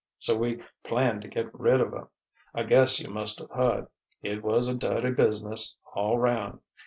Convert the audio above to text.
So we planned to get rid of her. I guess you must've heard. It was a dirty business, all round....